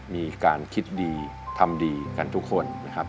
มีการคิดดีทำดีกันทุกคนนะครับ